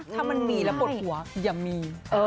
ถ้ามันมีแล้วปวดหัวอย่ามี